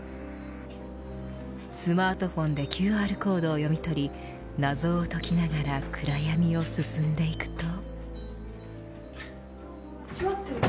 スマートフォンでＱＲコードを読み取り謎を解きながら暗闇を進んでいくと。